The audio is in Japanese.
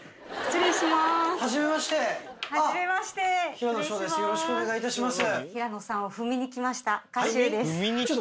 平野紫耀ですお願いいたします。